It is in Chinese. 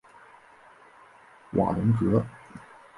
瓦龙格。